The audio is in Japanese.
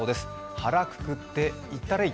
「腹くくって、いったれい」。